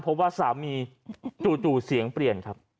เพราะว่าสามีจู่เสียงเปลี่ยนครับ